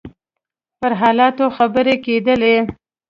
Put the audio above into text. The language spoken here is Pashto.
پر حالاتو خبرې کېدلې.